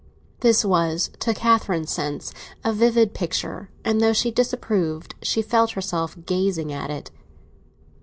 This was, to Catherine's sense, a vivid picture, and though she disapproved, she felt herself gazing at it.